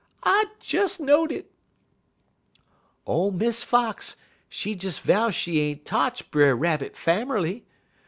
I des know'd it!' "Ole Miss Fox, she des vow she ain't totch Brer Rabbit fammerly.